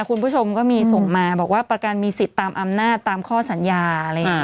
คุณผู้ชมก็มีส่งมาบอกว่าประกันมีสิทธิ์ตามอำนาจตามข้อสัญญา